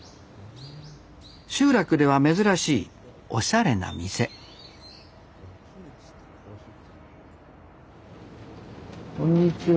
集落では珍しいおしゃれな店こんにちは。